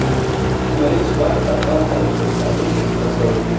لمریز ځواک د افغان تاریخ په کتابونو کې ذکر شوی دي.